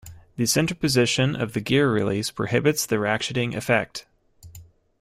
The center position of the gear release prohibits the ratcheting effect.